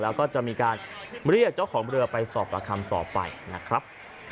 แล้วก็จะมีการเรียกเจ้าของเรือไปสอบประคำต่อไปนะครับ